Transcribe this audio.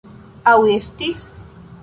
Aŭ estis?